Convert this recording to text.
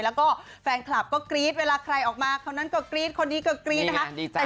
แล้วก็แฟนคลับก็กรี๊ดเวลาใครออกมาคนนั้นก็กรี๊ดคนนี้ก็กรี๊ดนะคะ